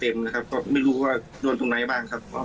เลือดไหลเต็มนะครับก็ไม่รู้ว่าโดนทุกไหนบ้างนะครับ